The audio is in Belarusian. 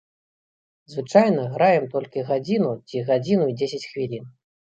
Звычайна граем толькі гадзіну, ці гадзіну і дзесяць хвілін.